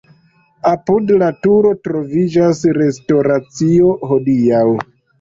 Apud la turo troviĝas restoracio hodiaŭ.